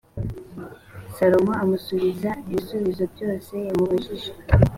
salomo amusubiza ibibazo byose yamubajije